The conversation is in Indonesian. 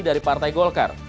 dari partai golkar